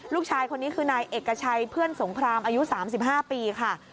ลูกชายคนนี้คือนายเอกชัยเพื่อนสงครามอายุ๓๕ปีค่ะ